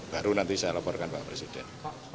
baru nanti saya laporkan pak presiden